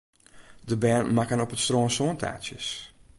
De bern makken op it strân sântaartsjes.